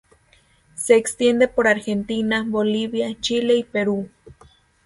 Se extiende por Argentina, Bolivia, Chile y Perú.